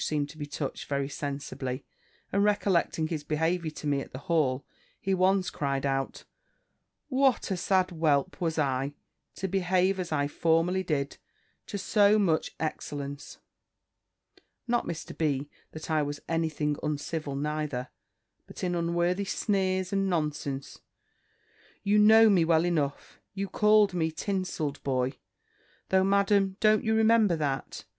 seemed to be touched very sensibly; and recollecting his behaviour to me at the Hall, he once cried out, "What a sad whelp was I, to behave as I formerly did, to so much excellence! Not, Mr. B., that I was any thing uncivil neither; but in unworthy sneers, and nonsense. You know me well enough. You called me, tinsell'd boy, though, Madam, don't you remember that?